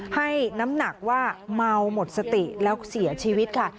ให้น้ำหนักว่าเมาหมดสติแล้วเสียชีวิตค่ะ